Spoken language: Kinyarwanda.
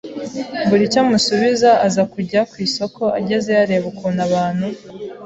mbura icyo musubiza aza kujya ku isoko agezeyo areba ukuntu abantu